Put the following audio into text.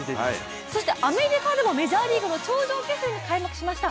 アメリカでもメジャーリーグの頂上決戦が開幕しました。